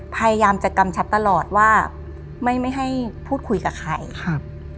พยายามจะกำชับตลอดว่าไม่ไม่ให้พูดคุยกับใครครับ